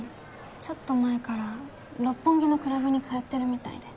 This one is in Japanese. ちょっと前から六本木のクラブに通ってるみたいで。